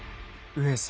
上様！